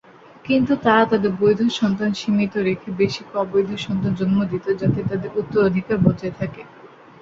কিন্তু তারা তাদের 'বৈধ' সন্তান সীমিত রেখে বেশি করে অবৈধ সন্তান জন্ম দিতো যাতে তাদের উত্তরাধিকার বজায় থাকে।